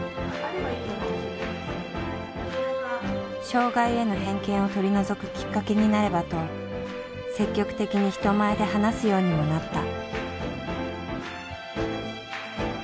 障害への偏見を取り除くきっかけになればと積極的に人前で話すようにもなった。